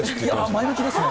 前向きですね。